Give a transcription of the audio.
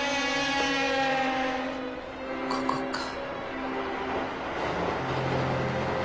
ここか。